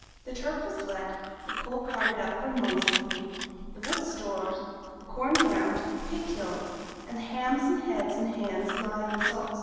The turf was led; the coal carted up from Monkshaven; the wood stored; the corn ground; the pig killed, and the hams and head and hands lying in salt.